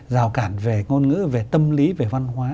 rào cản về ngôn ngữ về tâm lý về văn hóa